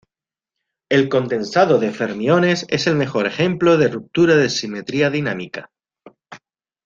El condensado de fermiones es el mejor ejemplo de ruptura de simetría dinámica.